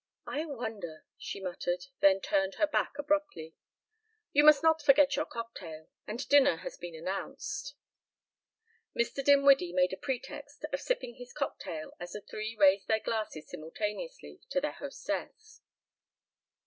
"I wonder," she muttered, then turned her back abruptly. "You must not forget your cocktail. And dinner has been announced." Mr. Dinwiddie made a pretext of sipping his cocktail as the three raised their glasses simultaneously to their hostess.